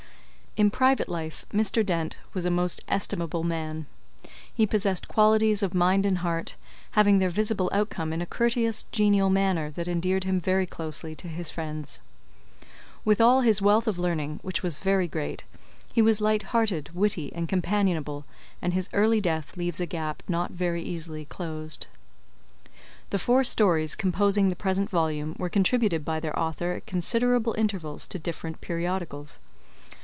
In private life, Mr. Dent was a most estimable man. He possessed qualities of mind and heart, having their visible outcome in a courteous, genial manner that endeared him very closely to his friends. With all his wealth of learning, which was very great, he was light hearted, witty and companionable, and his early death leaves a gap not very easily closed. The four stories composing the present volume were contributed by their author at considerable intervals to different periodicals.